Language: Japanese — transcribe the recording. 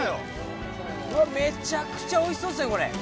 めちゃくちゃおいしそうっすねこれ！